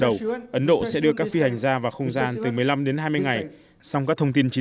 đầu ấn độ sẽ đưa các phi hành ra vào không gian từ một mươi năm đến hai mươi ngày song các thông tin trí